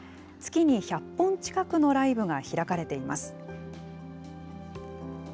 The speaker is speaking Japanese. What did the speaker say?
月に１００本近くのライブが開かれています。